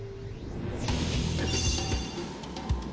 よし！